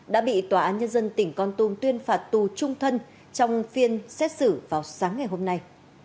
đã bị tòa án nhân dân tỉnh con tum tuyên phạt tù trung thân trong phiên xét xử vào sáng ngày hôm nay